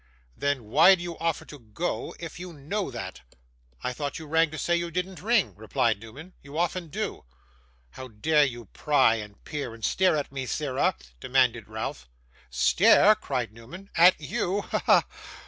'Then why do you offer to go if you know that?' 'I thought you rang to say you didn't ring,' replied Newman. 'You often do.' 'How dare you pry, and peer, and stare at me, sirrah?' demanded Ralph. 'Stare!' cried Newman, 'at YOU! Ha, ha!